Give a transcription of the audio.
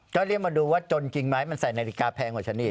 ก็เรียกมาดูว่าจนจริงไหมมันใส่นาฬิกาแพงกว่าฉันอีก